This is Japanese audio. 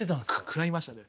食らいましたね。